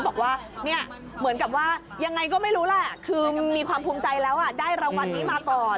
บอกว่าเนี่ยเหมือนกับว่ายังไงก็ไม่รู้แหละคือมีความภูมิใจแล้วได้รางวัลนี้มาก่อน